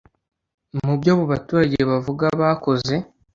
Mu byo abo baturage bavuga bakoze